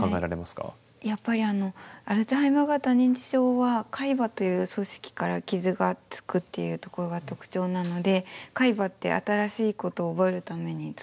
やっぱりアルツハイマー型認知症は海馬という組織から傷がつくっていうところが特徴なので海馬って新しいことを覚えるために使われている部位なんですね。